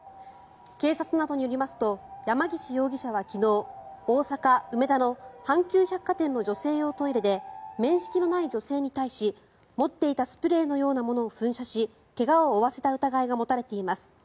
警察などによりますと山岸容疑者は昨日大阪・梅田の阪急百貨店の女性用トイレで面識のない女性に対し持っていたスプレーのようなものを噴射し怪我を負わせた疑いが持たれています。